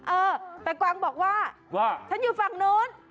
เออแต่กวางบอกว่าว่าฉันอยู่ฝั่งนู้น